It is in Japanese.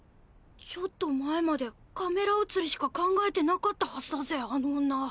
ちょっと前までカメラ映りしか考えてなかったハズだぜあの女。